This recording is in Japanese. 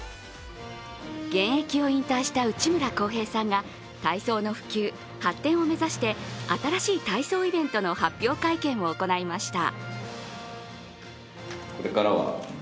現役を引退した内村航平さんが体操の普及、発展を目指して新しい体操イベントの発表会見を行いました。